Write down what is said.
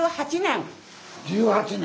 １８年。